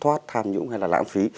thoát tham nhũng hay là lãng phí